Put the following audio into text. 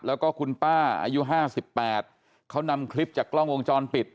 แล้วก็คุณป้าอายุ๕๘เขานำคลิปจากกล้องวงจรปิด